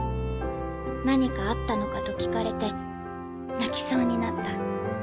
何かあったのかと聞かれて泣きそうになった。